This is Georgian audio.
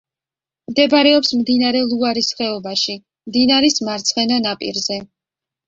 მდებარეობს მდინარე ლუარის ხეობაში, მდინარის მარცხენა ნაპირზე.